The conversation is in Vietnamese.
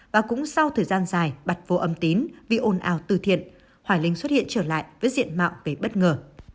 và cũng sau thời gian dài bật vô âm tín vì ồn ào từ thiện hoài linh xuất hiện trở lại với diện mạo về bất ngờ